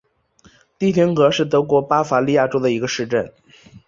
蒂廷格是德国巴伐利亚州的一个市镇。